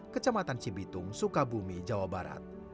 kecamatan cibitung sukabumi jawa barat